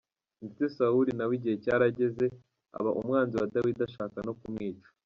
ndetse Sawuli nawe igihe cyarageze aba umwanzi wa Dawidi ashaka no kumwica.